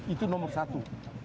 itu nomor satu